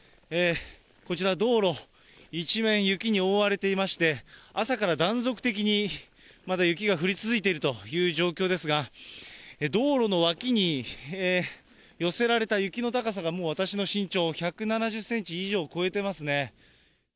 こちら、道路一面雪に覆われていまして、朝から断続的にまだ雪が降り続いているという状況ですが、道路の脇に寄せられた雪の高さが、もう私の身長、１７０センチ以上超えてますね。